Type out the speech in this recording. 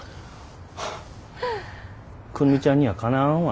久留美ちゃんにはかなわんわ。